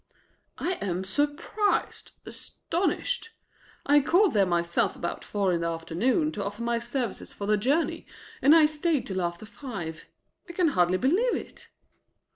"I am surprised, astounded. I called there myself about four in the afternoon to offer my services for the journey, and I too stayed till after five. I can hardly believe it."